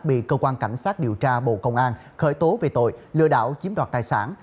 bị cơ quan cảnh sát điều tra bộ công an khởi tố về tội lừa đảo chiếm đoạt tài sản